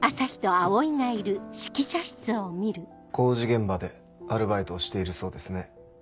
工事現場でアルバイトをしているそうですね。